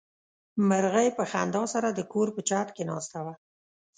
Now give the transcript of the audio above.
مرغۍ په خندا سره د کور په چت کې ناسته وه.